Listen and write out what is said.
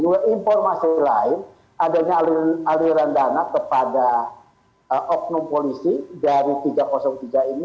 dua informasi lain adanya aliran dana kepada oknum polisi dari tiga ratus tiga ini